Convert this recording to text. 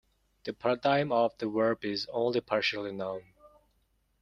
The paradigm of the verb is only partially known.